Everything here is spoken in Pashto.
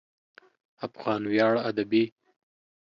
افغان ویاړ ادبي